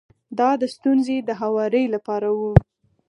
دا د ستونزې د هواري لپاره و.